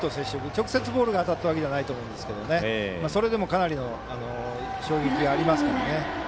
直接ボールが当たったわけではなかったと思いますけどそれでも、かなりの衝撃がありますからね。